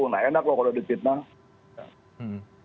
nah enak loh kalau difitnah